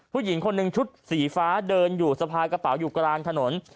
ผู้หญิงคนหนึ่งชุดสีฟ้าเดินอยู่สะพายกระเป๋าอยู่กลางถนน